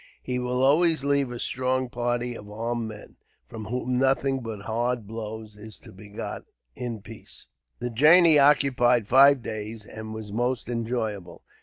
He will always leave a strong party of armed men, from whom nothing but hard blows is to be got, in peace." The journey occupied five days, and was most enjoyable.